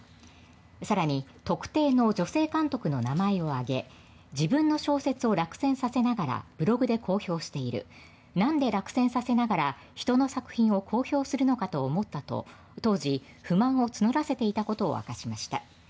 更に、特定の女性監督の名前を挙げ自分の小説を落選させながらブログで公表しているなんで落選させながら人の作品を公表するのかなと思ったと当時、不満を募らせていたことを明かしました。